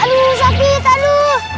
aduh sopit aduh